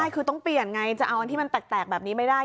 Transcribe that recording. ใช่คือต้องเปลี่ยนไงจะเอาอันที่มันแตกแบบนี้ไม่ได้